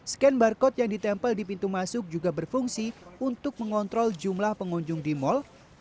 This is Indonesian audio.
scan barcode yang ditempel di pintu masuk juga berfungsi untuk mengontrol jumlah pengunjung di mal